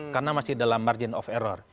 karena masih dalam margin of error